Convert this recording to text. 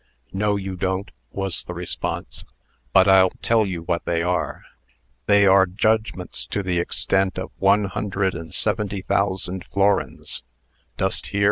"No, you don't," was the response. "But I'll tell you what they are. They are judgments to the extent of one hundred and seventy thousand florins dost hear?